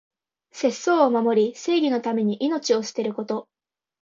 節操を守り、正義のために命を捨てること。